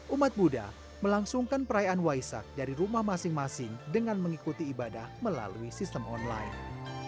umat buddha melangsungkan perayaan waisak dari rumah masing masing dengan mengikuti ibadah melalui sistem online